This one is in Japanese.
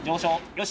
よし。